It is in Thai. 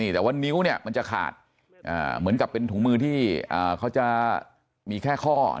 แต่ว่านิ้วจะขาดเหมือนกับถุงมือที่เขาจะมีแค่ข้อ